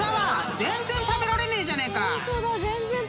全然食べられねえじゃねえか！］